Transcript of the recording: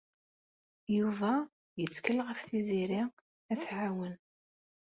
Yuba yettkel ɣef Tiziri ad t-tɛawen.